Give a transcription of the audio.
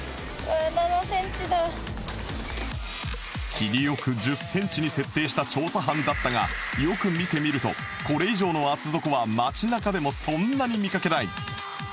切りよく１０センチに設定した調査班だったがよく見てみるとこれ以上の厚底は街中でもそんなに見かけない